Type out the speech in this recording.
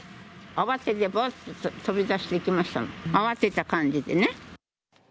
慌てて、ぼっと飛び出していきましたもん、慌てた感じでね。